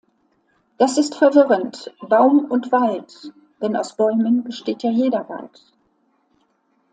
Das ist verwirrend: Baum und Wald; denn aus Bäumen besteht ja jeder Wald.